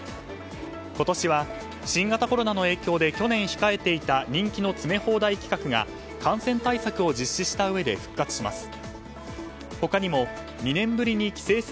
今年は新型コロナの影響で去年控えていた人気の詰め放題企画が感染対策を実施したうえで復活します。